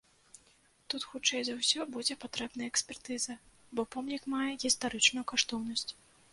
Тут хутчэй за ўсё будзе патрэбная экспертыза, бо помнік мае гістарычную каштоўнасць.